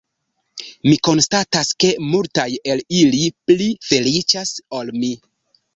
Mi konstatas ke multaj el ili pli feliĉas ol mi.